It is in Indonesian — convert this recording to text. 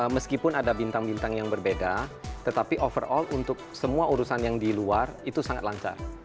meskipun ada bintang bintang yang berbeda tetapi overall untuk semua urusan yang di luar itu sangat lancar